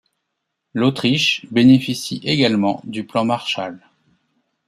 L'Autriche bénéficie également du plan Marshall.